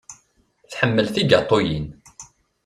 Tḥemmel tigaṭuyin.